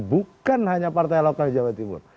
bukan hanya partai lokal di jawa timur